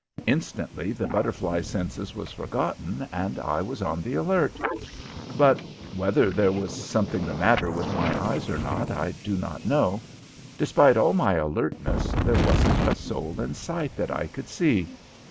Instantly the butterfly census was forgotten, and I was on the alert; but whether there was something the matter with my eyes or not, I do not know despite all my alertness, there wasn't a soul in sight that I could see.